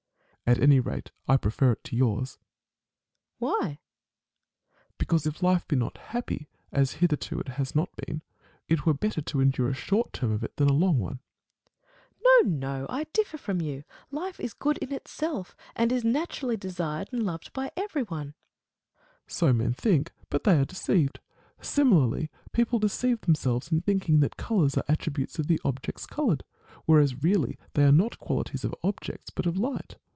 At any rate I prefer it to yours. Nat Phil. Why ? Met. Because if life be not happy, as hitherto it has not been, it were better to endure a short term of it than a long one. Nat. Phil. No, no. I differ from you. Life is a good in itself, and is naturally desired and loved by every one. * See Instruction in the Art of Long Life, by Huf eland. A DIALOGUE. 59 Met. So men think. But they are deceived. Similarly people deceive themselves in thinking that colours are attributes of the objects coloured; whereas really they are not qualities of objects, but of light.